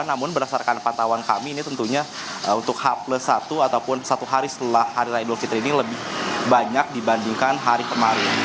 namun berdasarkan pantauan kami ini tentunya untuk h plus satu ataupun satu hari setelah hari raya idul fitri ini lebih banyak dibandingkan hari kemarin